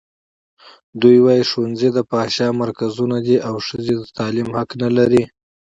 دوی وايي ښوونځي د فحشا مرکزونه دي او ښځې د تعلیم حق نه لري.